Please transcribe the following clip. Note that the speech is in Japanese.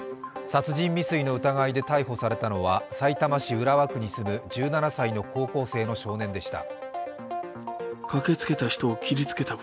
殺人未遂の疑いで逮捕されたのは、さいたま市浦和区に住む１７歳の高校生の少年でした。